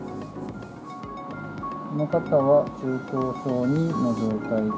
この方は中等症２の状態で、